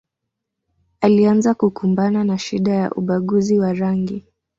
Alianza kukumbana na shida ya ubaguzi wa rangi